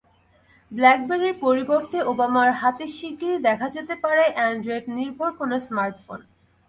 ব্ল্যাকবেরির পরিবর্তে ওবামার হাতে শিগগিরই দেখা যেতে পারে অ্যান্ড্রয়েডনির্ভর কোনো স্মার্টফোন।